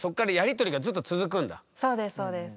そうですそうです。